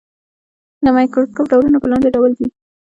د مایکروسکوپ ډولونه په لاندې ډول دي.